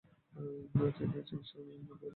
তিনি চিকিৎসার আড়ালে ধর্মান্তকরণের কাজ করতে থাকেন ।